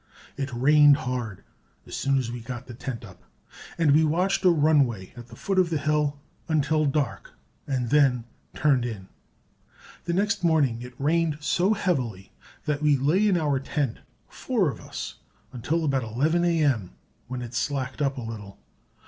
It rained hard as soon as we got the tent up, and we watched a runway at the foot of the hill until dark and then turned in. The next morning it rained so heavily that we lay in our tent, four of us, until about 11 A. M., when it slacked up a little.